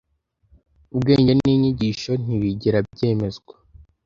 Ubwenge n'inyigisho ntibigera byemeza,